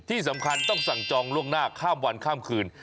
ที่สำคัญต้องสั่งจองล่วงหน้าข้ามวันข้ามคืน